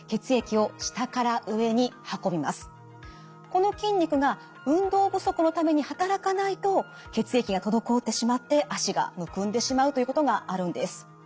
この筋肉が運動不足のために働かないと血液が滞ってしまって脚がむくんでしまうということがあるんです。